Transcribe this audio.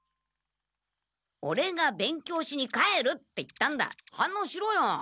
オレが「勉強しに帰る」って言ったんだはんのうしろよ。